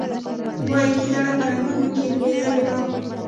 وایي ګیدړ په رنګونو کې لوېدلی و.